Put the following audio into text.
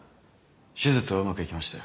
手術はうまくいきましたよ。